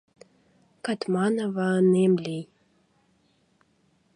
— Катманова ынем лий!